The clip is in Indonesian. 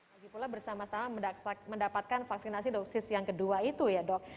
lagi pula bersama sama mendapatkan vaksinasi dosis yang kedua itu ya dok